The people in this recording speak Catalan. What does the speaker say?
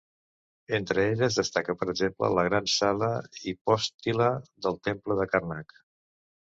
Entre elles destaca, per exemple, la gran sala hipòstila del temple de Karnak.